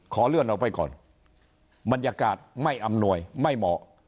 ขอเลื่อนออกไปก่อนบรรยากาศไม่อำนวยไม่เหมาะ